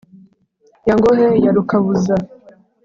ya ngohe ya rukabuza,